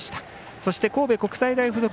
そして神戸国際大付属